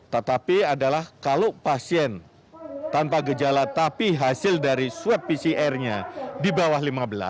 tetapi adalah kalau pasien tanpa gejala tapi hasil dari swab pcr nya di bawah lima belas